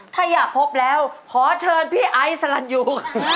ถ้าอยากพบแล้วขอเชิญพี่ไอซ์สลันยู